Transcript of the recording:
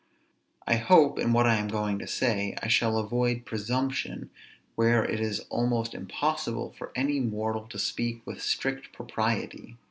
I hope, in what I am going to say, I shall avoid presumption, where it is almost impossible for any mortal to speak with strict propriety.